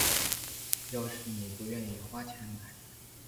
要是妳不愿意花钱买